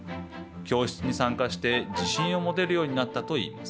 教室に参加して自信を持てるようになったといいます。